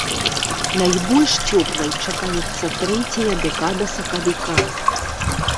Найбольш цёплай чакаецца трэцяя дэкада сакавіка.